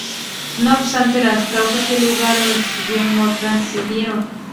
No obstante las causas y el lugar donde sucedió no trascendieron.